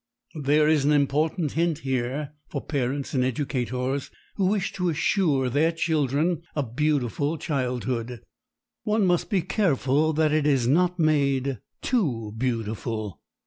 There is an important hint here for parents and educators who wish to assure their children a beautiful childhood. One must be careful that it is not made too beautiful!